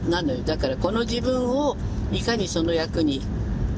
だからこの自分をいかにその役に近づけるかと。